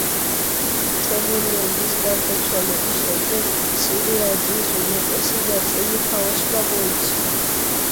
თემურლენგის გარდაცვალების შემდეგ მცირე აზიის უმეტესი ნაწილი ქაოსმა მოიცვა.